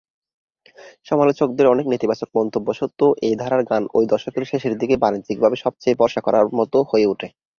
সমালোচকদের অনেক নেতিবাচক মন্তব্য সত্ত্বেও এই ধারার গান ঐ দশকের শেষের দিকে বাণিজ্যিকভাবে সবচেয়ে ভরসা করার মতো হয়ে ওঠে।